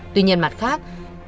tuy nhiên mặt khác